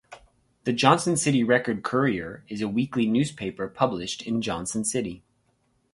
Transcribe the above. The "Johnson City Record Courier" is a weekly newspaper published in Johnson City.